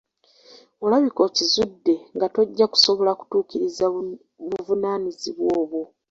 Olabika okizudde nga tojja kusobola kutuukiriza buvunaanyizibwa obwo.